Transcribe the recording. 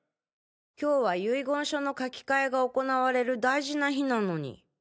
今日は遺言書の書き換えが行われる大事な日なのに。